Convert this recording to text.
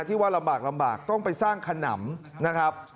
ที่ว่าลำบากลำบากต้องไปสร้างขนำนะครับ